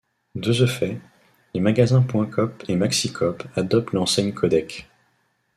De ce fait, les magasins Point Coop et Maxi Coop adoptent l'enseigne Codec.